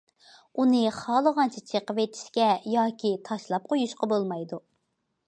ئۇنى خالىغانچە چېقىۋېتىشكە ياكى تاشلاپ قويۇشقا بولمايدۇ.